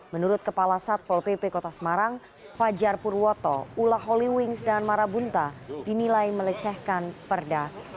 menurut kepala satpol pp kota semarang fajar purwoto ula holy wings dan marabunta dinilai melecehkan perda